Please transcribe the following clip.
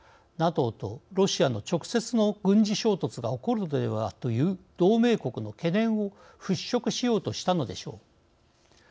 ＮＡＴＯとロシアの直接の軍事衝突が起こるのではという同盟国の懸念を払拭しようとしたのでしょう。